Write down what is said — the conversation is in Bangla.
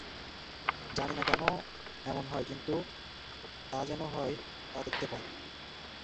জানি না কেন এমন হয়, কিন্তু তা যে হয়, তা দেখতেই পাই।